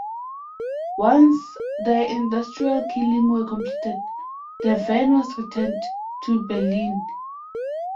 Once the industrial killings were completed, the van was returned to Berlin.